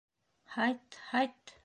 Һайт, һайт!